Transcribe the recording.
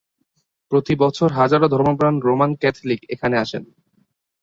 প্রতি বছর হাজারো ধর্মপ্রাণ রোমান ক্যাথলিক এখানে আসেন।